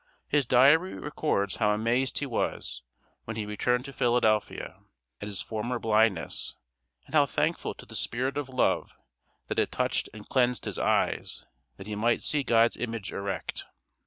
His diary records how amazed he was, when he returned to Philadelphia, at his former blindness, and how thankful to the spirit of love that had touched and cleansed his eyes that he might see God's image erect.